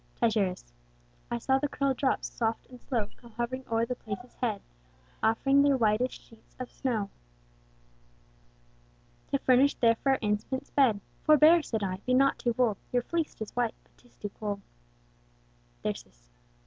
Tityrus. I saw the curl'd drops, soft and slow Come hovering o'er the place's head, Offring their whitest sheets of snow, To furnish the fair infant's bed. Forbear (said I) be not too bold, Your fleect is white, but 'tis too cold. Thyrsis.